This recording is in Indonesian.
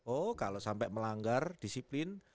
oh kalau sampai melanggar disiplin